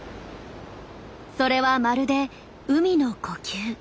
それはまるで海の呼吸。